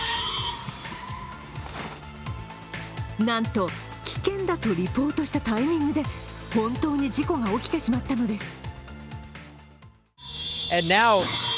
なんと危険だとリポートしたタイミングで本当に事故が起きてしまったのです。